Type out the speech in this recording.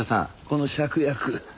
この芍薬。